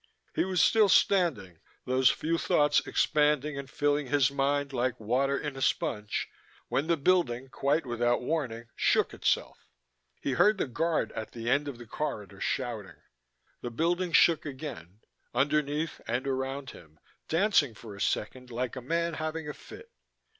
He was still standing, those few thoughts expanding and filling his mind like water in a sponge, when the building, quite without warning, shook itself. He heard the guard at the end of the corridor shouting. The building shook again, underneath and around him, dancing for a second like a man having a fit.